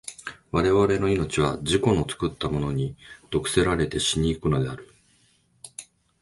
我々の生命は自己の作ったものに毒せられて死に行くのである。